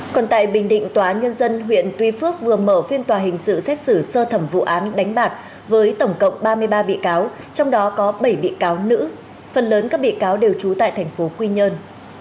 còn tại bình định tòa nhân dân huyện tuy phước vừa mở phiên tòa hình sự xét xử sơ thẩm vụ án đánh bạc với tổng cộng ba mươi ba bị cáo trong đó có bảy bị cáo nữ phần lớn các bị cáo đều trú tại thành phố quy nhơn